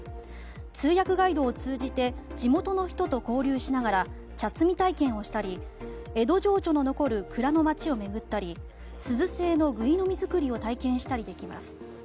通訳ガイドを通じて地元の人と交流しながら茶摘み体験をしたり江戸情緒の残る蔵の町を巡ったりすず製のぐい飲み作りを体験したりできます。